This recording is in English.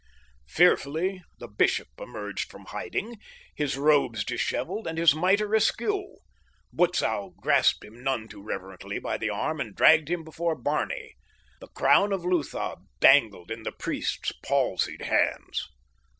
Fearfully, the bishop emerged from hiding, his robes disheveled and his miter askew. Butzow grasped him none too reverently by the arm and dragged him before Barney. The crown of Lutha dangled in the priest's palsied hands.